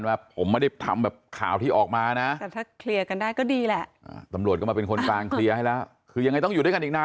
ว่าสังคมอย่าเข้าใจผิดเราสองคนเลยเนอะ